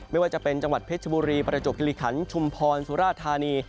ไม่ว่าจะเป็นจังหวัดเพชรบุรีประจบกิริขันชุมพรสุราธานี